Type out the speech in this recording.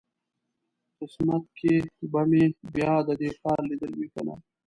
قسمت کې به مې بیا د دې ښار لیدل وي کنه.